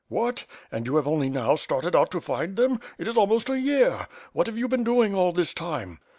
"What! and you have only now started out to find them? It is almost a year! What have you been doing all this time?"